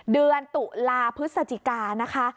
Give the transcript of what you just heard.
เดือนตุลาพฤศจิกานะคะ